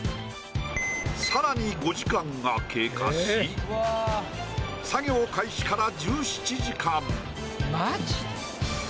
さらに５時間が経過し作業開始から。